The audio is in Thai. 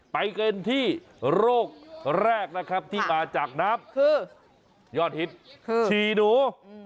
ไปกันที่โรคแรกนะครับที่มาจากน้ำคือยอดฮิตชีหนู